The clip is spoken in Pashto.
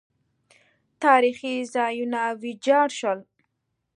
تاریخي ځایونه ویجاړ شول